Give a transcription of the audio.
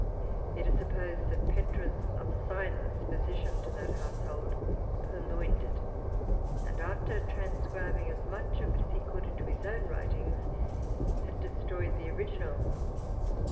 It was supposed that Petrus Alcyonius, physician to that household, purloined it, and after transcribing as much of it as he could into his own writings, had destroyed the original.